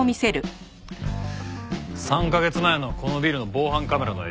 ３カ月前のこのビルの防犯カメラの映像だ。